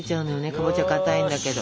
かぼちゃかたいんだけど。